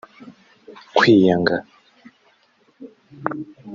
kwiyanga